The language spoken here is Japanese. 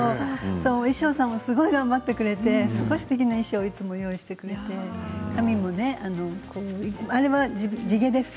衣装さんもすごい頑張ってくれて、すてきな衣装をいつも用意してくれたから髪はあれは地毛です。